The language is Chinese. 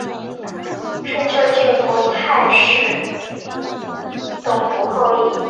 春秋晋国太史董狐后裔。